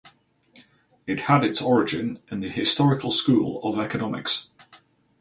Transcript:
It had its origin in the historical school of economics.